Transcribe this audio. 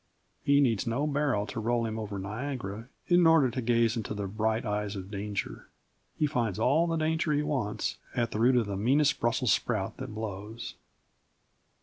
He needs no barrel to roll him over Niagara in order to gaze into "the bright eyes of danger." He finds all the danger he wants at the root of the meanest brussels sprout that blows.